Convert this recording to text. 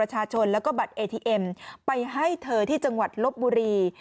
ให้เธอที่จังหวัดลบบุรี